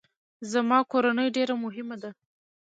زما کورنۍ ډیره مهمه ده